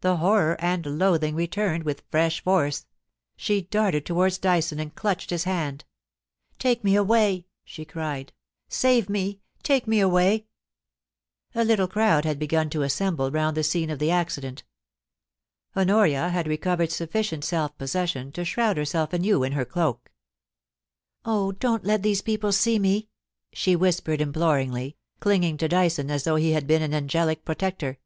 The horror and loathing returned with fresh force. She darted towards Dyson and clutched his hand. * Take me away !' she cried * Save me ! Take me away !' A little crowd had begun to assemble round the scene of the accident Honoria had recovered sufficient self possession to shroud herself anew in her cloak, * Oh, don't let these people see me T she whispered im ploringly, clinging to Dyson as though he had been an angelic protector.